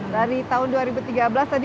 dari tahun dua ribu tiga belas tadi